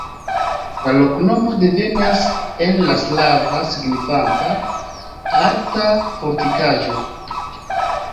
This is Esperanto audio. La loknomo devenas el la slava, signifanta: alta fortikaĵo.